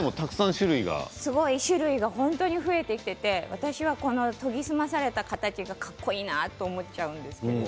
種類がたくさん増えてきていて私は、この研ぎ澄まされた形がかっこいいなと思っちゃうんですけれど。